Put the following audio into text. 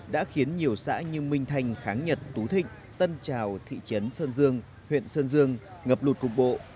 đã khiến nhiều xã như minh thanh kháng nhật tú thịnh tân trào thị trấn sơn dương huyện sơn dương ngập lụt cục bộ